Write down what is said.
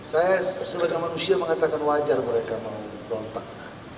saya sebagai manusia mengatakan wajar mereka mau lompat